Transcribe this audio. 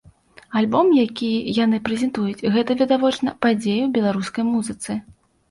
Альбом, які яны прэзентуюць, гэта, відавочна, падзея ў беларускай музыцы.